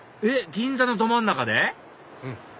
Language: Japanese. えっ銀座のど真ん中で？